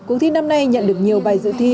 cuộc thi năm nay nhận được nhiều bài dự thi